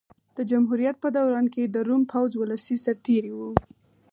د جمهوریت په دوران کې د روم پوځ ولسي سرتېري وو